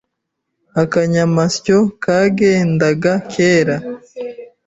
Akanyamasyo kagendaga kera